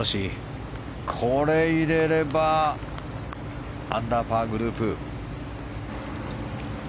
これを入れればアンダーパーグループ。